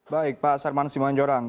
baik pak sarman simanjorang